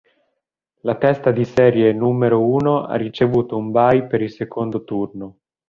La testa di serie numero uno ha ricevuto un bye per il secondo turno.